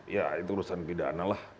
ya itu urusan pidana lah